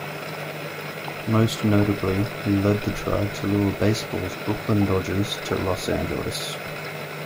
Most notably, he led the drive to lure baseball's Brooklyn Dodgers to Los Angeles.